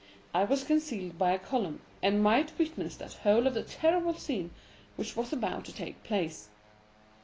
I was concealed by a column, and might witness the whole of the terrible scene which was about to take place.